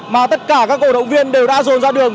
mà tất cả các cổ động viên đều đã dồn ra đường